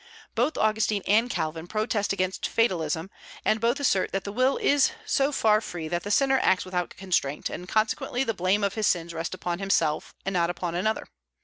Both Augustine and Calvin protest against fatalism, and both assert that the will is so far free that the sinner acts without constraint; and consequently the blame of his sins rests upon himself, and not upon another.